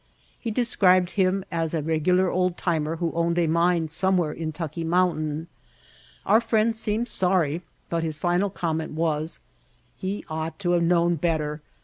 He described him as a regular old timer who owned a mine somewhere in Tucki Mountain. Our friend seemed sorry, but his final comment was : "He ought to have known better.